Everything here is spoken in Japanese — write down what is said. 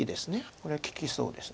これは利きそうです。